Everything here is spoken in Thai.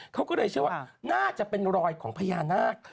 เขาก็เลยเชื่อว่าน่าจะเป็นรอยของพญานาค